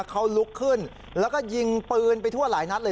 เขาลุกขึ้นแล้วก็ยิงปืนไปทั่วหลายนัดเลย